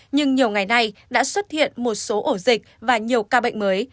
nhưng nhiều ngày nay đã xuất hiện một số ổ dịch và nhiều ca bệnh mới